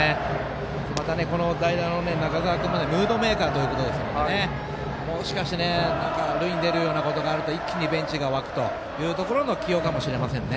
また、代打の中澤君もムードメーカーということですのでもしかして塁に出るようなことがあると一気にベンチが沸くというところの起用かもしれませんね。